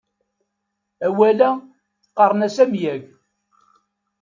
Awal-a, qqaren-as amyag.